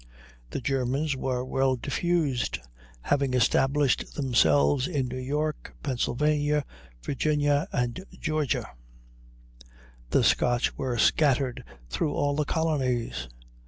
The Germans were well diffused, having established themselves in New York, Pennsylvania, Virginia, and Georgia. The Scotch were scattered through all the colonies.